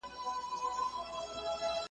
ننګول مي زیارتونه هغه نه یم ,